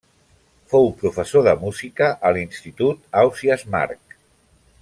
Fou professor de música a l'Institut Ausiàs Marc.